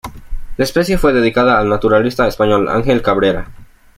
La especie fue dedicada al naturalista español Ángel Cabrera.